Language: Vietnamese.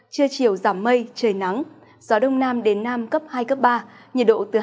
chưa chiều giảm mây trời nắng gió đông nam đến nam cấp hai cấp ba nhiệt độ từ hai mươi bốn đến ba mươi bốn độ